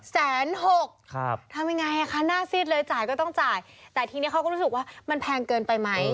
แสนหกครับทำยังไงอ่ะคะหน้าฟีดเลยจ่ายก็ต้องจ่ายแต่ทีนี้เขาก็รู้สึกว่ามันแพงเกินไปไหม